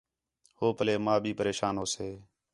ہو پَلّے ماں بھی پریشان ہوسے